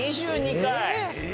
２２回。